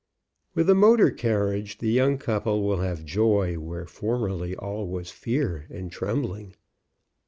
With the motor carriage the young couple will have joy where formerly all was fear and trembling.